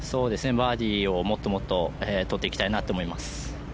バーディーを、もっともっととっていきたいなと思っています。